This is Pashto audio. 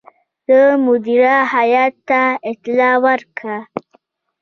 ده مدیره هیات ته اطلاع ورکړه.